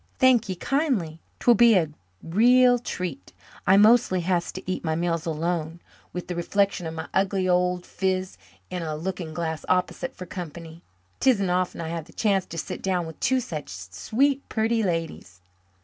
"Thank ye kindly. 'Twill be a real treat. I mostly has to eat my meals alone, with the reflection of my ugly old phiz in a looking glass opposite for company. 'Tisn't often I have the chance to sit down with two such sweet purty ladies."